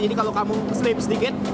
jadi kalau kamu sleep sedikit